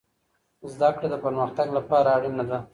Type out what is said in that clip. زده کړه د پرمختګ لپاره اړینه ده.